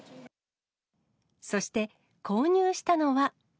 そして、購入したのは。